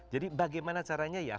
jadi bagaimana caranya